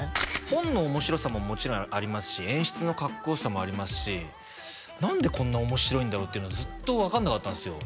本の面白さももちろんありますし演出のかっこよさもありますし何でこんな面白いんだろうっていうのはずっと分かんなかったんすよ